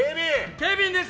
ケビンです。